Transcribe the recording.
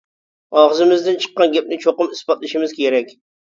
ئاغزىمىزدىن چىققان گەپنى چوقۇم ئىسپاتلىشىمىز كېرەك.